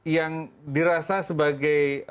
yang dirasa sebagai